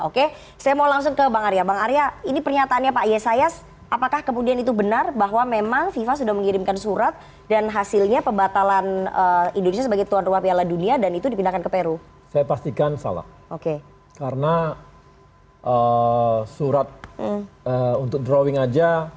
karena surat untuk drawing aja